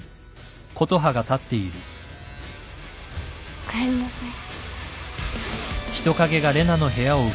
・おかえりなさい。